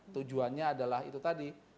tujuannya adalah itu tadi